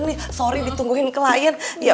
pil gilingan padi lo ya